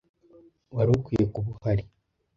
Wari ukwiye kuba uhari.